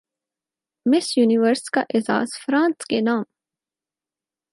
مس Universe کا اعزاز France کے نام